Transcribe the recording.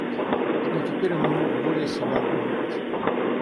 Но теперь он не мог более себя обманывать.